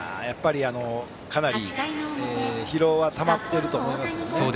かなり疲労はたまっていると思いますね。